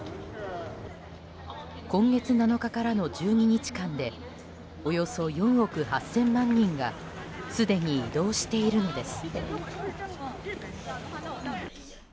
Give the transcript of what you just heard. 今月７日からの１２日間でおよそ４億８０００万人がすでに移動しているんです。